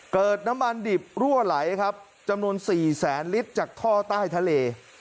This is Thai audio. เกิดน้ำมันดิบรั่วไหลครับจำนวน๔แสนลิตรจากท่อใต้ทะเล